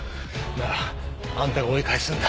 ならあんたが追い返すんだ。